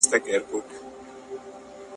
بزګر د خپل آس په مېړانه باندې ډېر زیات وویاړېده.